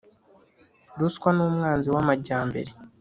ruswa ni umwanzi w’amajyambere